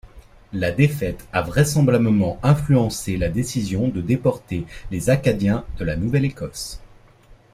La défaite a vraisemblablement influencé la décision de déporter les Acadiens de la Nouvelle-Écosse.